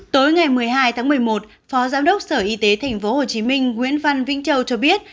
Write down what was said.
tối ngày một mươi hai tháng một mươi một phó giám đốc sở y tế tp hcm nguyễn văn vĩnh châu cho biết